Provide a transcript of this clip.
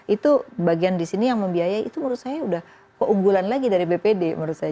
itu bagian di sini yang membiayai itu menurut saya sudah keunggulan lagi dari bpd menurut saya